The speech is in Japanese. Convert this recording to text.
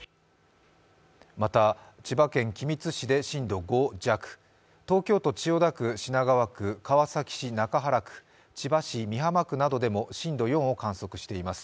また、千葉県君津市で震度５弱東京都千代田区、品川区川崎市中原区、千葉市美浜区などでも震度４を観測しています。